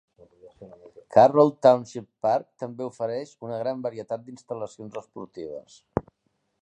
Carroll Township Park també ofereix una gran varietat d'instal·lacions esportives.